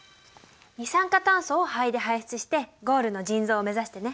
二酸化炭素を肺で排出してゴールの「腎臓」を目指してね。